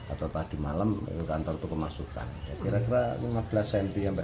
atau tadi malam kantor kemasukan kira kira lima belas cm dua puluh cm